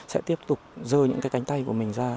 sẽ tiếp tục rơi những cái cánh tay của mình ra